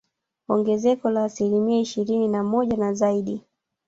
Ongezeko la asilimia ishirini na moja na zaidi